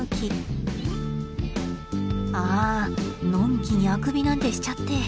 あのんきにあくびなんてしちゃって。